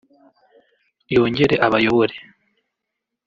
yongere abayobore